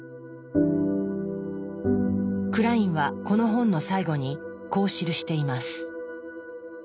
クラインはこの本の最後にこう記しています。